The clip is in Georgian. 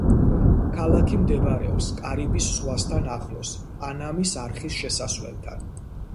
ქალაქი მდებარეობს კარიბის ზღვასთან ახლოს, პანამის არხის შესასვლელთან.